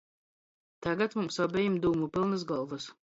Tagad mums obejim dūmu pylnys golvys.